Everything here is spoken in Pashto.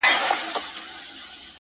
بلا وهلی يم. چي تا کوم بلا کومه.